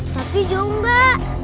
tapi jauh gak